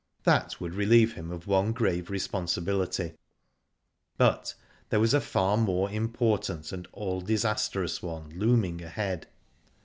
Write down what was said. That would relieve him of one grave respon sibility, but there was a far more important and all disastrous one looming ahead.